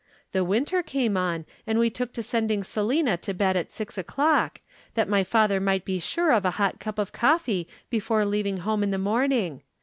The winter came on and we took to sending Selina to bed at six o'clock, that my father might be sure of a hot cup of coffee before leaving home in the morning.